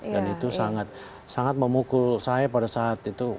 dan itu sangat memukul saya pada saat itu